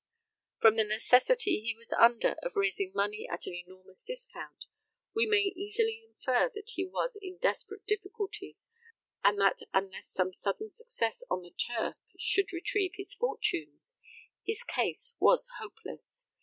From the necessity he was under of raising money at an enormous discount, we may easily infer that he was in desperate difficulties; and that, unless some sudden success on the turf should retrieve his fortunes, his case was hopeless.